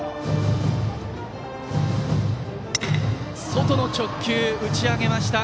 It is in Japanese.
外の直球、打ち上げました。